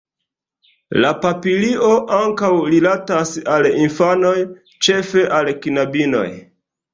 La papilio ankaŭ rilatas al infanoj, ĉefe al knabinoj.